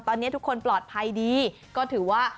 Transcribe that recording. ตอนนี้ทุกคนปลอดภัยดีก็ถือว่า